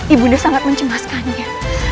ibu nda sangat mencemaskannya